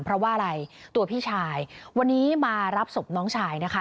เพราะว่าอะไรตัวพี่ชายวันนี้มารับศพน้องชายนะคะ